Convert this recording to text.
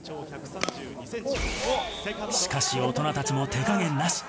しかし大人たちも手加減なし。